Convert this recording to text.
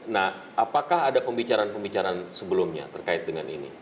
nah apakah ada pembicaraan pembicaraan sebelumnya terkait dengan ini